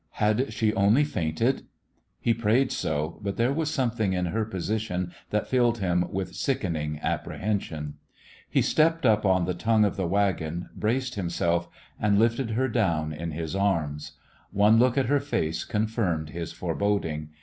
Had she only fainted? He prayed so, but there was something in her position that filled him with sickening apprehen sion. He stepped up on the tongue of the wagon, braced himself, and lifted her down in his arms. One look at her face confirmed his foreboding.